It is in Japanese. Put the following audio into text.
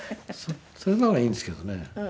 それならいいんですけどね。